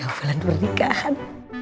tiga bulan pernikahan